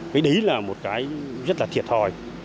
cái đấy là một cái rất là thiệt hỏi